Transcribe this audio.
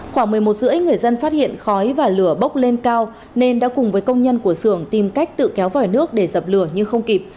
khoảng một mươi một h ba mươi người dân phát hiện khói và lửa bốc lên cao nên đã cùng với công nhân của sưởng tìm cách tự kéo vòi nước để dập lửa nhưng không kịp